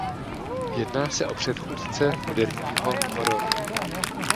Jedná se o předchůdce moderního hororu.